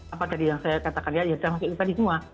apa tadi yang saya katakan ya